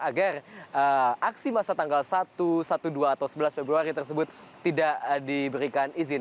agar aksi masa tanggal satu dua belas atau sebelas februari tersebut tidak diberikan izin